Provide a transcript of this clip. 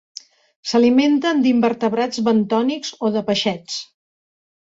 S'alimenten d'invertebrats bentònics o de peixets.